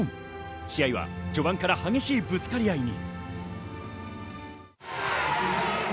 試合は序盤から激しいぶつかり合いに。